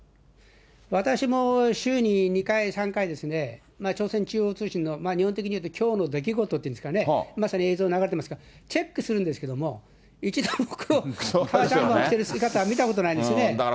私も週に２回、３回、朝鮮中央通信の、日本的にいうと、きょうの出来事って言うんですかね、まさに映像流れていますが、チェックするんですけども、一度も黒革コートを着てるの見たことないですね。